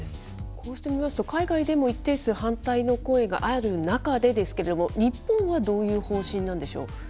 こうして見ますと、海外でも一定数反対の声がある中でですけれども、日本はどういう方針なんでしょう。